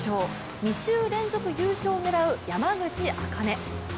２週連続優勝を狙う山口茜。